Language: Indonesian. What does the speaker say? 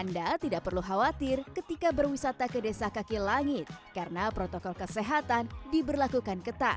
anda tidak perlu khawatir ketika berwisata ke desa kaki langit karena protokol kesehatan diberlakukan ketat